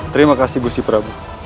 terima kasih gusti prabu